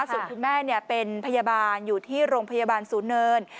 ส่วนคุณแม่เป็นพยาบาลอยู่ที่โรงพยาบาลศูนย์เนิน